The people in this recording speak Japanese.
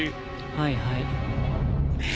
はいはい。